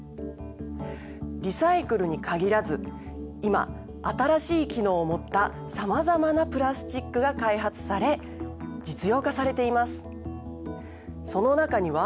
リサイクルに限らず今新しい機能を持ったさまざまなプラスチックが開発され実用化されています。